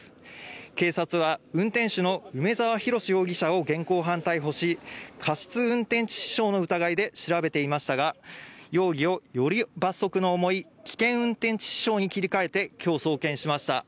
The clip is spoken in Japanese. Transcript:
警察は、運転手の梅沢洋容疑者を現行犯逮捕し、過失運転致死傷の疑いで調べていましたが、容疑をより罰則の重い危険運転致死傷に切り替えて今日送検しました。